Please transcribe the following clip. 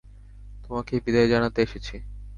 তোমাকে বিদায় জানাতে এসেছি।